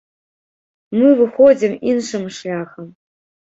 Мы выходзім іншым шляхам.